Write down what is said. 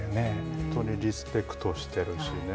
本当にリスペクトしているしね。